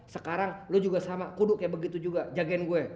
sekarang lu juga sama kuduk kayak begitu juga jagain gue